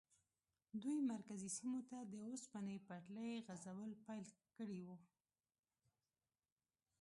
دوی مرکزي سیمو ته د اوسپنې پټلۍ غځول پیل کړي وو.